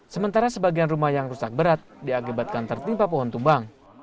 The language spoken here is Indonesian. sementara sebagian rumah yang rusak berat diakibatkan tertimpa pohon tumbang